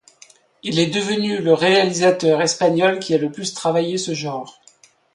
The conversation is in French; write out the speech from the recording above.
Il est devenu le réalisateur espagnol qui a le plus travaillé ce genre.